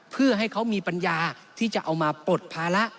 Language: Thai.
เพื่อให้เขามีปัญญาที่จะเอามาปลดภาระ